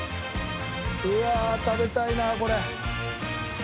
うわ食べたいなこれ。